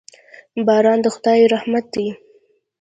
باران د خداي رحمت دي.